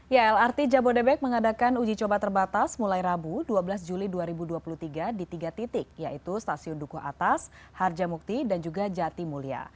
ya lrt jabodebek mengadakan uji coba terbatas mulai rabu dua belas juli dua ribu dua puluh tiga di tiga titik yaitu stasiun dukuh atas harja mukti dan juga jati mulia